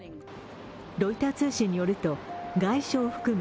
ロイター通信によると外相を含む